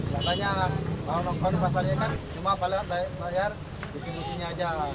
katanya kalau nonton pasarnya kan cuma bayar distribusinya aja